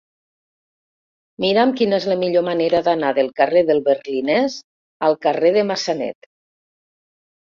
Mira'm quina és la millor manera d'anar del carrer del Berlinès al carrer de Massanet.